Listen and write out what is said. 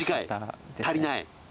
足りない。